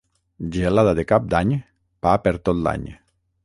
Gelada de Cap d'Any, pa per tot l'any.